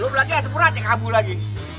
lu belakangnya sempurna cek abu lagi